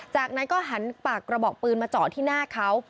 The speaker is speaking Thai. จากนั้นก็หันปากกระบอกปืนมาเจาะที่หน้าเขา